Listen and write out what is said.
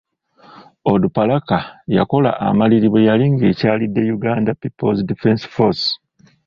Onduparaka yakola amaliri bwe yali ekyalidde Uganda People's Defence Force.